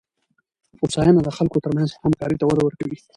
هوساینه د خلکو ترمنځ همکارۍ ته وده ورکوي.